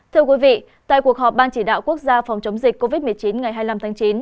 thưa quý vị tại cuộc họp ban chỉ đạo quốc gia phòng chống dịch covid một mươi chín ngày hai mươi năm tháng chín